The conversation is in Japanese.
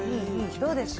どうですか？